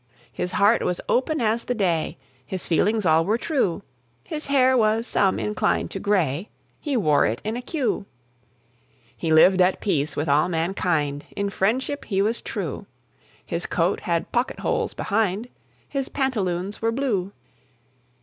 His heart was open as the day, His feelings all were true; His hair was some inclined to gray, He wore it in a queue. He lived at peace with all mankind, In friendship he was true; His coat had pocket holes behind, His pantaloons were blue.